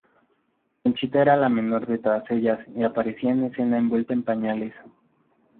Conchita era la menor de todas ellas y aparecía en escena envuelta en pañales.